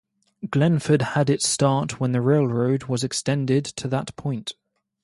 Glenford had its start when the railroad was extended to that point.